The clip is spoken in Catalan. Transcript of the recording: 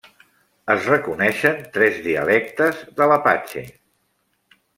Es reconeixen tres dialectes de l'apatxe.